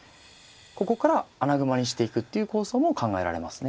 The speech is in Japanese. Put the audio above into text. ここから穴熊にしていくっていう構想も考えられますね。